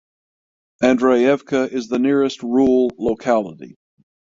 Andreyevka is the nearest rural locality.